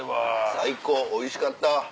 最高おいしかった。